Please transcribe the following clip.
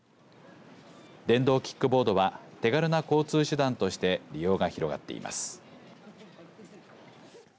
電動キックボードは手軽な交通手段として利用が広がっています。